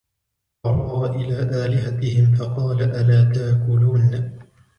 فراغ إلى آلهتهم فقال ألا تأكلون